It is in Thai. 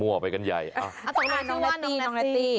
มั่วไปกันใหญ่เอาสองหน่อยน้องแนตตี้